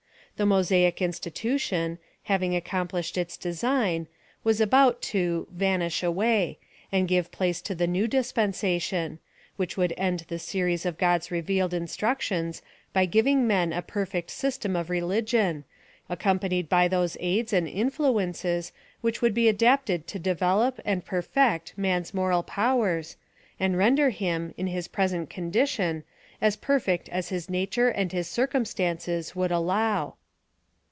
Tlie Mosaic institution, having accomplished its design, was about to ' van ish away,' and give place to the new dispensatioUj which would end the series of God's revealed in structions, by giving men a perfect system of reli gion, accompanied by those aids and influences, which would be adapted to develope and perfect man's moral powers, and render him, in his present condition, as perfect as his nature and his circum stances would allow.